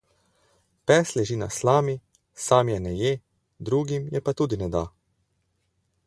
Pes leži na slami; sam je ne je, drugim je pa tudi ne da.